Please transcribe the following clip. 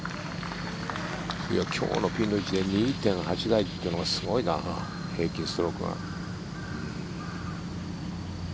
今日のピンの位置で２．８台というのはすごいな平均ストロークが。